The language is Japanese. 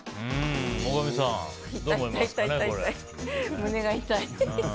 胸が痛い。